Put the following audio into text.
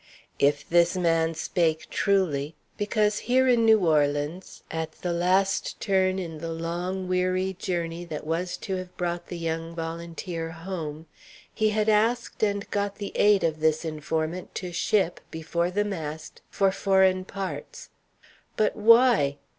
If this man spake truly, because here in New Orleans, at the last turn in the long, weary journey that was to have brought the young volunteer home, he had asked and got the aid of this informant to ship before the mast for foreign parts. But why?